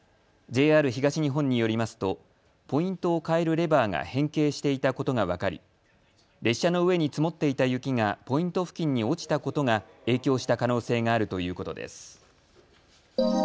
ＪＲ東日本によりますとポイントを変えるレバーが変形していたことが分かり列車の上に積もっていた雪がポイント付近に落ちたことが影響した可能性があるということです。